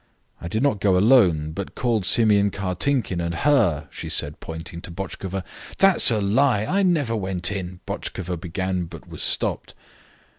I did not go alone, but called Simeon Kartinkin and her," she said, pointing to Botchkova. "That's a lie; I never went in," Botchkova began, but was stopped.